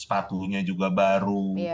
sepatunya juga baru bajunya juga baru